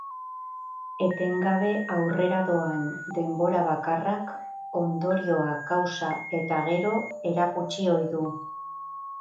Etengabe aurrera doan denbora bakarrak ondorioa kausa eta gero erakutsi ohi du.